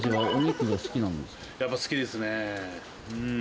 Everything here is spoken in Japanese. やっぱ好きですねうん。